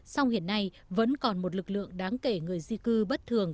song hiện nay vẫn còn một lực lượng đáng kể người di cư bất thường